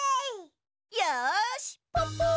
よしポッポ！